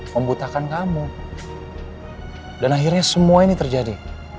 membutakan kamu dan akhirnya semua ini terjadi